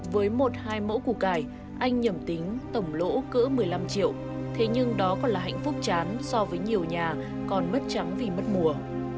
với một hai mẫu củ cải anh nhầm tính tổng lỗ cỡ một mươi năm triệu thế nhưng đó còn là hạnh phúc chán so với nhiều nhà còn mất trắng vì mất mùa